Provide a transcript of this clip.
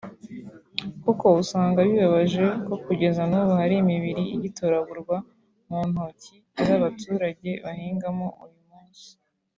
kuko usanga bibabaje ko kugeza nubu hari imibiri igitoragurwa mu ntoki z’abaturage bahingamo uyu munsi